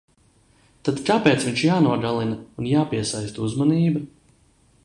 Tad kāpēc viņš jānogalina un japiesaista uzmanība?